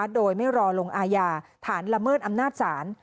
โดยไม่รอลงอาญาฐานละเมิดอำนาจศาล